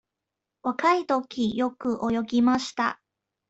若いとき、よく泳ぎました。